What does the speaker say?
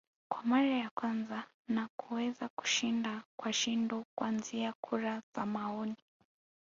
kwa mara ya kwanza na kuweza kushinda kwa kishindo kuanzia kura za maoni